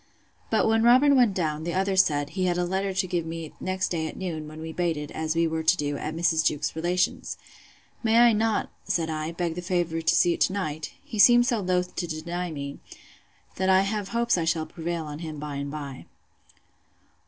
But when Robin went down, the other said, he had a letter to give me next day at noon, when we baited, as we were to do, at Mrs. Jewkes's relation's.—May I not, said I, beg the favour to see it to night? He seemed so loath to deny me, that I have hopes I shall prevail on him by and by.